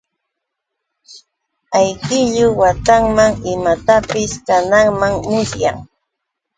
Awkillu watanman imatapis kanantam musyan.